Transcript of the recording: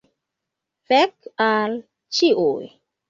Fek al ĉiuj.